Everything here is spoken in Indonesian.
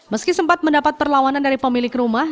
meski sempat mendapat perlawanan dari pemilik rumah